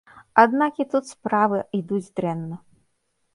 Аднак і тут справа ідуць дрэнна.